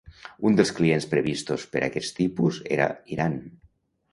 Un dels clients previstos per a aquest tipus era Iran.